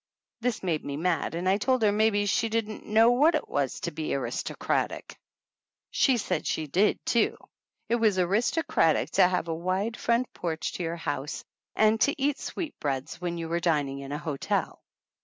This made me mad and I told her maybe she didn't know what it was to be aristocratic. She said she did, too ; it was aristocratic to have a wide front porch to your house and to eat sweetbreads when you were dining in a hotel.